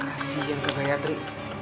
kasih yang ke gayatri